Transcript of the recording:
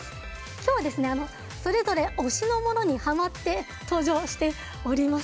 今日は、それぞれ推しのものにハマって登場しております。